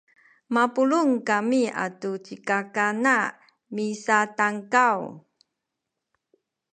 mapulung kami atu ci kakana misatankaw